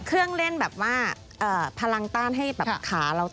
เครื่องเล่นแบบว่าพลังต้านให้แบบขาเรา